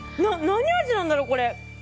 何味なんだろう、これ。